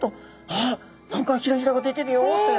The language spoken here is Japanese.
あっ何かひらひらが出てるよって。